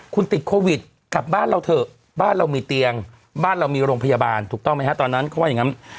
คุณติดโควิดกลับบ้านเราเถอะบ้านเรามีเตียงบ้านเรามีโรงพยาบาลถูกต้องไหมฮะตอนนั้นเขาว่าอย่างนั้น